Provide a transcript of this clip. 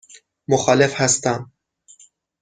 مخالف هستم.